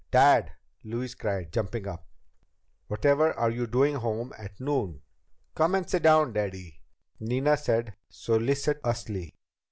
"Dad!" Louise cried, jumping up. "Whatever are you doing home at noon?" "Come and sit down, Daddy," Nina said solicitously.